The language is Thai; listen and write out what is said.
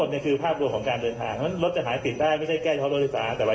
เพราะฉะนั้นรถจะหายติดได้ไม่ได้แก้เพราะรถไฟฟ้า